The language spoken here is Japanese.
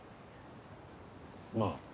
まあ。